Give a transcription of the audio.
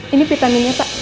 ini vitaminnya pak